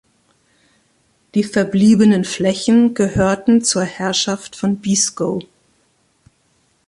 Die verbliebenen Flächen gehörten zur Herrschaft von Beeskow.